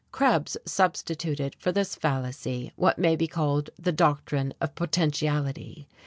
Krebs substituted for this fallacy what may be called the doctrine of potentiality.